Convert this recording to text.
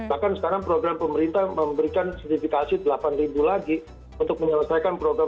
bahkan sekarang program pemerintah memberikan sertifikasi delapan lagi untuk menyelesaikan program